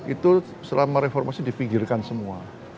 itu selama reformasi dipikirkan semua